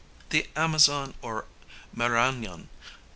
The Amazon or Mara├▒on in S.